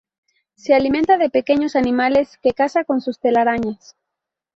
Se alimenta de pequeños animales que caza con sus telarañas.